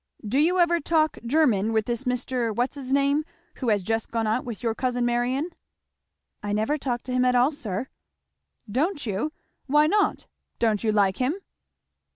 "Do you ever talk German with this Mr. What's his name who has just gone out with your cousin Marion?" "I never talk to him at all, sir." "Don't you? why not? Don't you like him?"